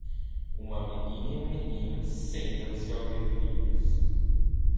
Uma menina e um menino sentam-se ao ler livros.